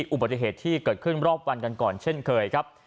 อุบัติเหตุที่เกิดขึ้นรอบวันกันก่อนเช่นเคยครับ